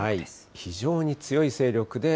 非常に強い勢力です。